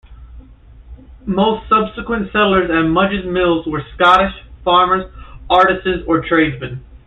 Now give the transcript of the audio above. Most subsequent settlers at Mudge's Mills were Scottish, farmers, artisans or tradesmen.